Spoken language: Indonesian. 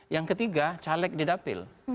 yang ketiga caleg di dapil